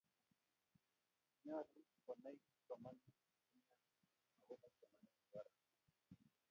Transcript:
nyoluu konai kipsomanian akubo somnee nebo ra